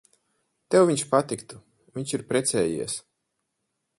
Tev viņš patiktu. Viņš ir precējies.